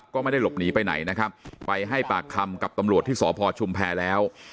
ก็ไม่ได้หลบหนีไปไหนนะครับไปให้ปากคำกับตำรวจที่สพชุมแพรแล้ว